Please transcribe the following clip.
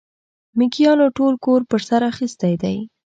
مېږيانو ټول کور پر سر اخيستی دی.